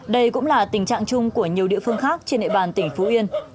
đây cũng là tình trạng chung của nhiều địa phương khác trên địa bàn tỉnh phú yên